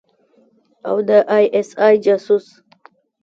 او د آى اس آى جاسوس.